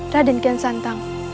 raden ken santang